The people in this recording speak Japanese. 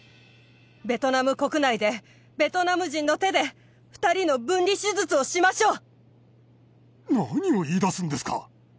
ベトナム国内でベトナム人の手で２人の分離手術をしましょう何を言いだすんですか